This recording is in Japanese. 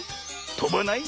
とばない？